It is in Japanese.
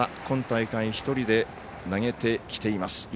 今大会１人で投げてきています。